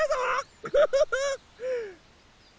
ウフフフ！